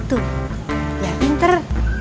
tuh ya pinter